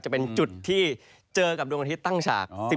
จะเป็นจุดที่เจอกับดวงอาทิตย์ตั้งฉาก